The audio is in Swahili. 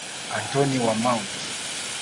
Antoni wa Mt.